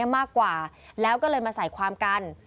มากกว่าแล้วก็เลยมาใส่ความกัน